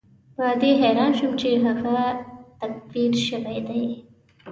په دې حیران شوم چې هغه تکفیر شوی دی.